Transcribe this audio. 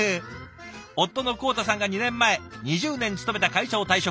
夫の康太さんが２年前２０年勤めた会社を退職。